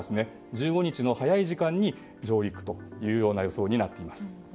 １５日の早い時間に上陸という予想になっています。